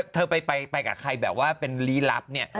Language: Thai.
เธอไปกับใครแบบว่าเป็นลี้ลับเนี่ย